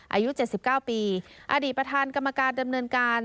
อายุ๗๙ปีอดีตประธานกรรมการดำเนินการ